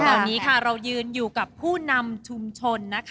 ตอนนี้เรายืนอยู่กับผู้นำชุมชน